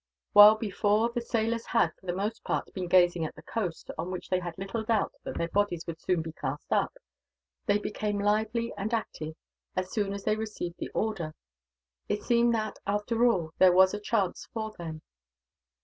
While before the sailors had, for the most part, been gazing at the coast, on which they had little doubt that their bodies would soon be cast up; they became lively and active, as soon as they received the order. It seemed that, after all, there was a chance for them.